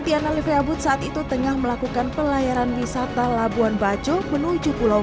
tiana liviabut saat itu tengah melakukan pelayaran wisata labuan bajo menuju pulau